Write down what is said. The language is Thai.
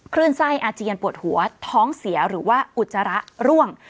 คลื่นไส้อาเจียนปวดหัวท้องเสียหรือว่าอุจจาระร่วง